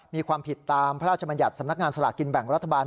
มีความผิดตามพระราชบัญญัติสำนักงานสลากกินแบ่งรัฐบาล